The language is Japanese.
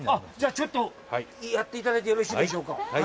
ちょっとやっていただいてよろしいでしょうか。